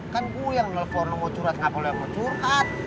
kan gue yang nelfon lo mau curhat gak apa lo yang mau curhat